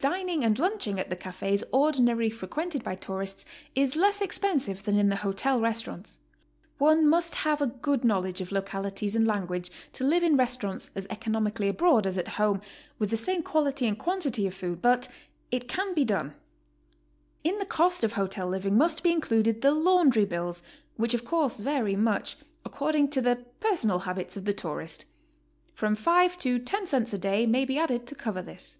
Dining and lunching at the cafes ordinarily frequented by tourists is less expensive than in the hotel restaurants. One must have a good knowledge of localities and language to live in restaurants as economically abroad as at home, with the same quality and quantity of food, but it can be done. In the cost of hotel living must be included the laundry bills, which of course vary much, according to the personal habits of the tourist. From 5 to 10 cents a day may be added to cover this.